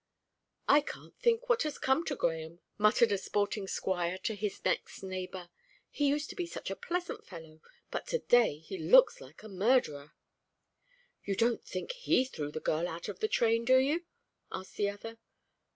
"I can't think what has come to Grahame," muttered a sporting squire to his next neighbour. "He used to be such a pleasant fellow, but to day he looks like a murderer." "You don't think he threw the girl out of the train, do you?" asked the other.